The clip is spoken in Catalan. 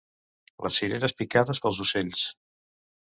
Les cireres picades pels ocells.